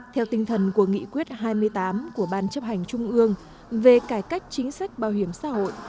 theo tinh thần của nghị quyết hai mươi tám của ban chấp hành trung ương về cải cách chính sách bảo hiểm xã hội